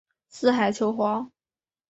四海求凰。